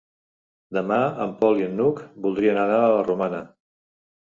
Demà en Pol i n'Hug voldrien anar a la Romana.